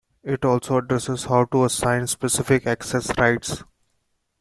It also addresses how to assign specific access rights.